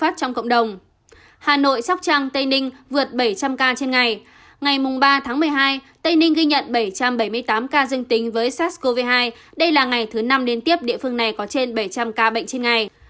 tây ninh ghi nhận bảy trăm bảy mươi tám ca dân tính với sars cov hai đây là ngày thứ năm liên tiếp địa phương này có trên bảy trăm linh ca bệnh trên ngày